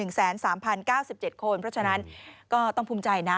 ๑๓๐๐๙๗คนเพราะฉะนั้นก็ต้องภูมิใจนะ